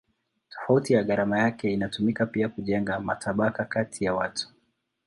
Tofauti ya gharama yake inatumika pia kujenga matabaka kati ya watu.